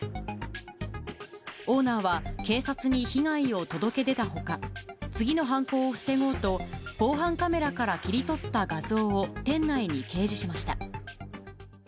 オーナーは警察に被害を届け出たほか、次の犯行を防ごうと、防犯カメラから切り取った画像を店内に掲示しました。